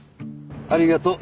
ありがとう。